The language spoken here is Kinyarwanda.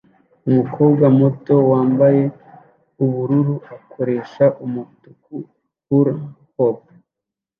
Umukobwa muto wambaye ubururu akoresha umutuku hula-hoop